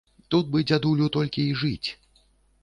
Тут бы дзядулю толькі і жыць!